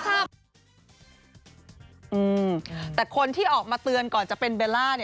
อืมแต่คนที่ออกมาเตือนก่อนจะเป็นเบลล่า